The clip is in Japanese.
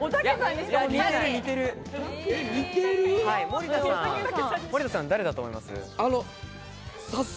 森田さん、誰だと思います？